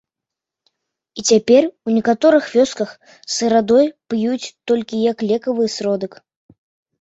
І цяпер у некаторых вёсках сырадой п'юць толькі як лекавы сродак.